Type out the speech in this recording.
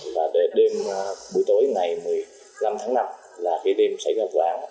và đêm buổi tối ngày một mươi năm tháng năm là cái đêm xảy ra vụ án